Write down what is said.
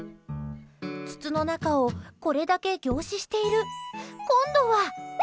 筒の中をこれだけ凝視している今度は。